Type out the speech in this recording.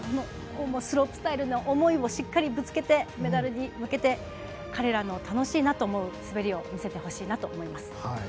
スロープスタイルに思いをしっかりぶつけてメダルに向けて彼らの楽しいなと思う滑りを見せてほしいなと思います。